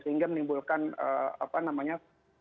sehingga menimbulkan apa namanya